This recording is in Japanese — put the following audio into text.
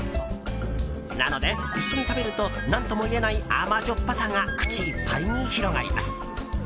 なので一緒に食べると何とも言えない甘じょっぱさが口いっぱいに広がります。